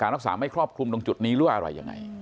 รักษาไม่ครอบคลุมตรงจุดนี้หรือว่าอะไรยังไง